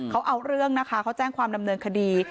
เขาเอาเรื่องนะคะเขาแจ้งความดำเนินคดี